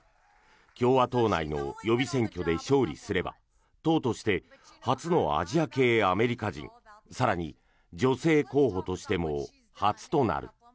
共和党内の予備選挙で勝利すれば党として初のアジア系アメリカ人更に女性候補としても初となる。